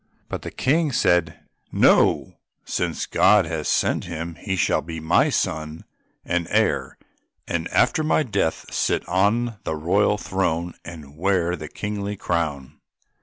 But the King said, "No, since God has sent him he shall be my son and heir, and after my death sit on the royal throne, and wear the kingly crown."